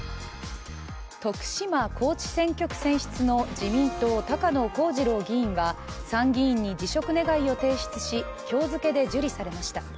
徳島・高知選挙区選出の自民党、高野光二郎議員は参議院に辞職願を提出し今日付けで受理されました。